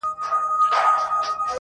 • د زړه صبر او اجرونه غواړم -